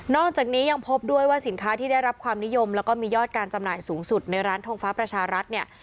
อกจากนี้ยังพบด้วยว่าสินค้าที่ได้รับความนิยมแล้วก็มียอดการจำหน่ายสูงสุดในร้านทงฟ้าประชารัฐเนี่ย